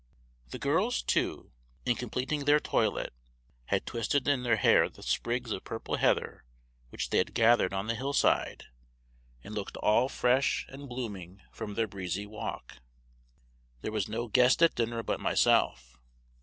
The girls, too, in completing their toilet, had twisted in their hair the sprigs of purple heather which they had gathered on the hillside, and looked all fresh and blooming from their breezy walk. There was no guest at dinner but myself.